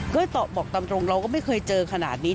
ก็บอกตามตรงเราก็ไม่เคยเจอขนาดนี้